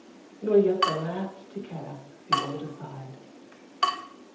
[NOR YET THE LAST TO CAST THE OLD ASIDE.